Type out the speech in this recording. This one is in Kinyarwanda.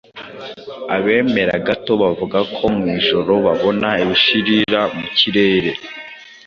Abemera gato bavuga ko mu ijoro babona ibishirira mu kirere